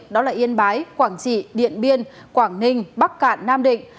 đó là yên bái quảng trị điện biên quảng ninh bắc cạn nam định